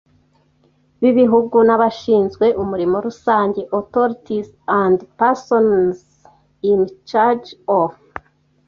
b igihugu n abashinzwe umurimo rusange authorities and persons in charge of